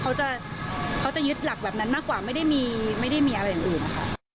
เขาจะเขาจะยึดหลักแบบนั้นมากกว่าไม่ได้มีอะไรอย่างอื่นค่ะ